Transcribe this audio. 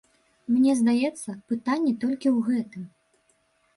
Мне здаецца, пытанне толькі ў гэтым.